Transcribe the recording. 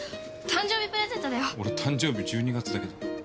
俺誕生日１２月だけど。